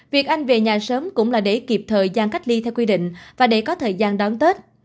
việc anh về nhà sớm cũng là để kịp thời gian cách ly theo quy định và để có thời gian đón tết